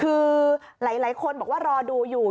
คือหลายคนบอกว่ารอดูอยู่